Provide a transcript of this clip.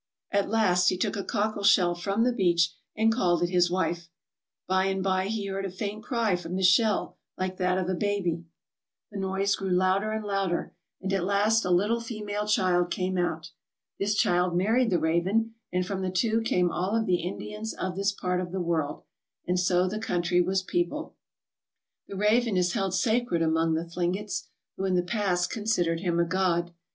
At last he took a cockle shell from the beach and called it his wife. By and by he heard a faint cry from the shell like that of a baby. The noise grew louder and louder, and at last a little female child came out. This child married the raven and from the two came all of the Indians of this part of the world, and so the country was peopled. The raven is held sacred among the Thlingets, who in the past considered him a god.